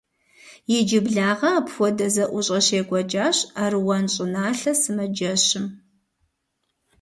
Иджыблагъэ апхуэдэ зэӀущӀэ щекӀуэкӀащ Аруан щӀыналъэ сымаджэщым.